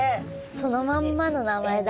そのまんまの名前だ。